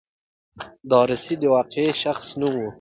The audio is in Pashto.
دارسي د واقعي شخص نوم و.